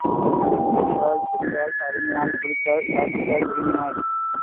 உண்டாள், தின்றாள், அருந்தினாள், குடித்தாள், சாப்பிட்டாள், விழுங்கினாள்